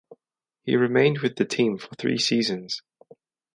He remained with the team for three seasons.